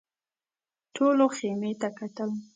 ټولو خيمې ته کتل.